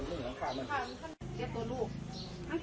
สายไฟก็มันมีอาหารมั่นมันต้องเล่นสำคัญ